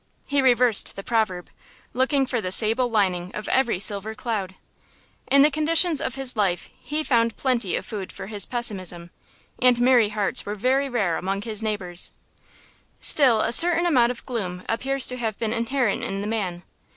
He reversed the proverb, looking for the sable lining of every silver cloud. In the conditions of his life he found plenty of food for his pessimism, and merry hearts were very rare among his neighbors. Still a certain amount of gloom appears to have been inherent in the man.